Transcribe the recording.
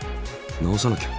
直さなきゃ。